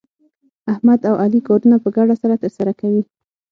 احمد او علي کارونه په ګډه سره ترسره کوي.